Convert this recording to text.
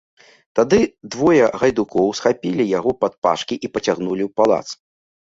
Тады двое гайдукоў схапілі яго падпашкі і пацягнулі ў палац.